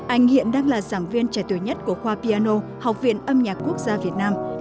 anh hiện đang là giảng viên trẻ tuổi nhất của khoa piano học viện âm nhạc quốc gia việt nam